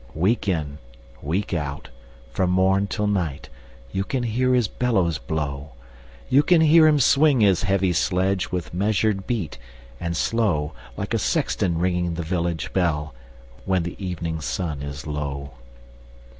Week in, week out, from morn till night, You can hear his bellows blow; You can hear him swing his heavy sledge, With measured beat and slow, Like a sexton ringing the village bell, When the evening sun is low.